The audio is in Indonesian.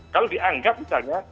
kalau dianggap misalnya